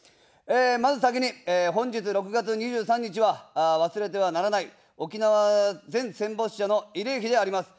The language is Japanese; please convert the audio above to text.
まず先に、本日６月２３日は忘れてはならない沖縄全戦没者の慰霊日であります。